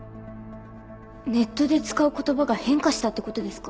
ネットで使う言葉が変化したって事ですか？